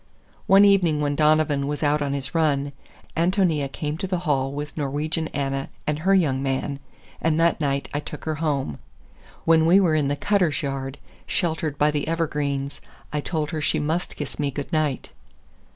One evening when Donovan was out on his run, Ántonia came to the hall with Norwegian Anna and her young man, and that night I took her home. When we were in the Cutter's yard, sheltered by the evergreens, I told her she must kiss me good night.